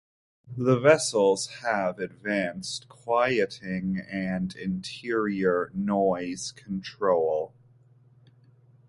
The vessels have advanced quieting and interior noise control.